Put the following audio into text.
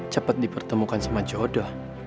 cepet dipertemukan sama jodoh